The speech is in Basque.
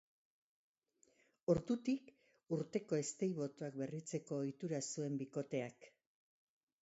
Ordutik, urteko eztei-botoak berritzeko ohitura zuen bikoteak.